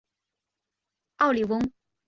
奥里翁。